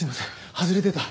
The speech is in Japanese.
外れてた。